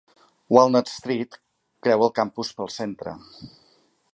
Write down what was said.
Walnut Street creua el campus pel centre.